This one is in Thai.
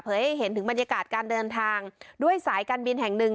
ให้เห็นถึงบรรยากาศการเดินทางด้วยสายการบินแห่งหนึ่ง